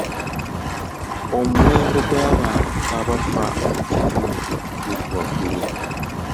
Omuwendo gw'abantu abafa mu kitundu guli waggulu.